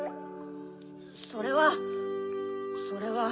それはそれは。